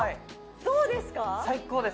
どうですか？